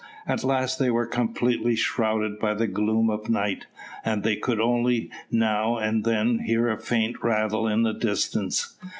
At last they were completely shrouded by the gloom of night, and they could only now and then hear a faint rattle in the distance.